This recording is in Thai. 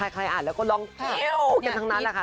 ใครอ่านแล้วก็ลองเทียวกันทั้งนั้นล่ะค่ะ